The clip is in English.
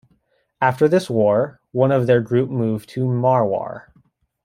After this war one of their group moved to Marwar.